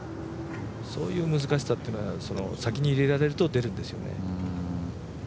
そういう難しさっていうのは先に入れられると出るんですよね。